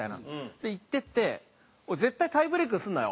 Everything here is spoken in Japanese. で行ってて「絶対タイブレークするなよ。